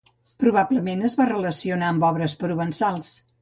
Probablement es va relacionar amb obres provençals.